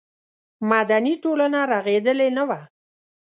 مدني ټولنه رغېدلې نه وه.